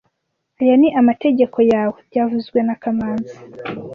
Aya ni amategeko yawe byavuzwe na kamanzi